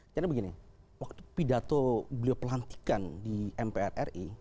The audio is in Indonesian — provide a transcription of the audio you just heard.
karena begini waktu pidato beliau pelantikan di mpr ri